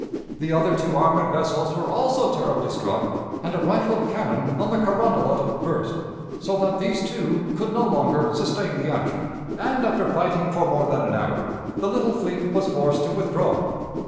The other two armored vessels were also terribly struck, and a rifled cannon on the Carondelet burst, so that these two could no longer sustain the action; and, after fighting for more than an hour, the little fleet was forced to withdraw.